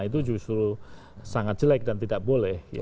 itu justru sangat jelek dan tidak boleh